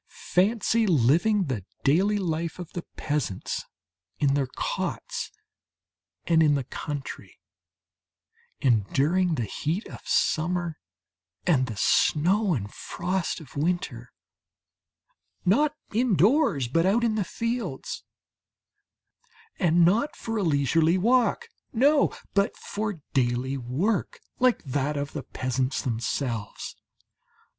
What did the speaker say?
Fancy living the daily life of the peasants in their cots and in the country, enduring the heat of summer and the snow and frost of winter not indoors but out in the fields, and not for a leisurely walk no! but for daily work like that of the peasants themselves.